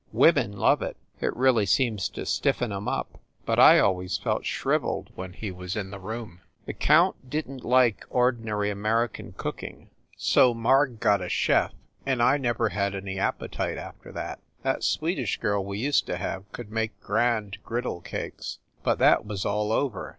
Women love it it really seems to stiffen em up but I always felt shriveled when he was in the room. THE ST. PAUL BUILDING 221 The count didn t like ordinary American cooking, so Marg got a chef and I never had any appetite after that. That Swedish girl we used to have could made grand griddle cakes but that was all over!